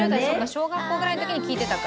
小学校ぐらいの時に聴いてたか」